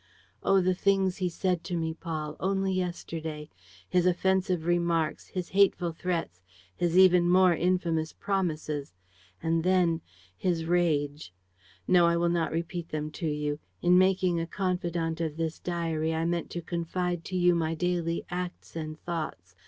Oh, the things he said to me, Paul, only yesterday: his offensive remarks, his hateful threats, his even more infamous promises ... and then his rage! ... No, I will not repeat them to you. In making a confidant of this diary, I meant to confide to you my daily acts and thoughts.